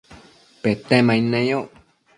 Petemaid neyoc